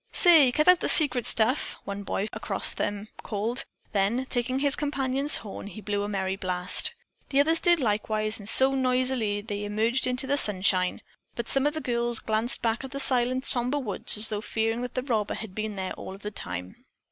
"Say, cut out the secret stuff," one boy across from them called; then, taking his companion's horn, he blew a merry blast. The others did likewise and so noisily they emerged into the sunshine, but some of the girls glanced back at the silent, somber woods as though fearing that the robber had been there all of the time.